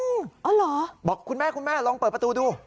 อ๋อเหรอบอกคุณแม่คุณแม่ลองเปิดประตูดู